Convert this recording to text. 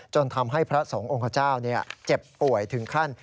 จนทำให้พระสงฆ์ขเจ้าเจ็บป่วยถึงขั้น